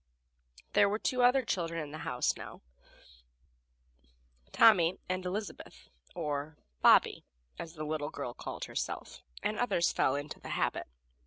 There were two other children in the house now Tommy and Elizabeth, or "Bobby," as the little girl called herself, and others fell into the habit.